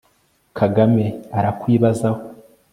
kagame arakwibazaho